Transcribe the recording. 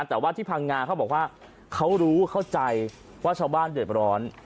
แต่ว่าที่พังงาเขาบอกว่าเขารู้เข้าใจว่าชาวบ้านเดือดร้อน